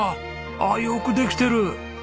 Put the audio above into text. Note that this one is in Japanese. あっよくできてる。